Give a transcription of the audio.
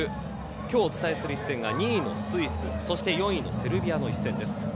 今日お伝えする一戦は２位のスイス４位のセルビアの一戦です。